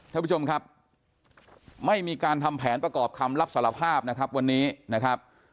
ท่านผู้ชมครับไม่มีการทำแผนประกอบคำรับสารภาพนะครับวันนี้นะครับ